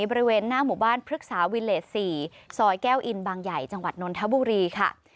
บริเวณหน้าหมู่บ้านพฤกษาวิเลส๔ซอยแก้วอินบางใหญ่จังหวัดนนทบุรีค่ะ